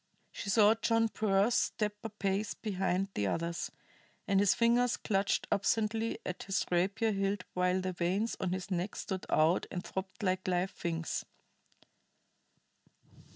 She saw John Pearse step a pace behind the others, and his fingers clutched absently at his rapier hilt while the veins on his neck stood out and throbbed like live things.